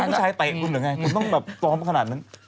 ผู้ชายเตะคุณหรือไงคุณต้องแบบซ้อมขนาดนั้น